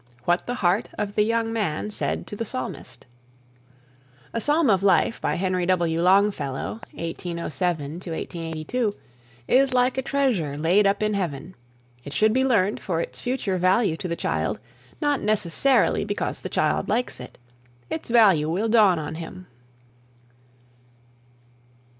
WHAT THE HEART OF THE YOUNG MAN SAID TO THE PSALMIST. "A Psalm of Life," by Henry W. Longfellow (1807 82), is like a treasure laid up in heaven. It should be learned for its future value to the child, not necessarily because the child likes it. Its value will dawn on him.